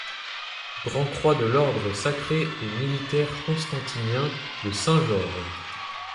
Grand croix de l'Ordre sacré et militaire constantinien de Saint-Georges.